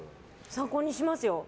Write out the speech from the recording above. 参考にしますよ。